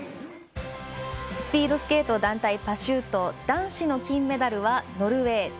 スピードスケート団体パシュート男子の金メダルはノルウェー。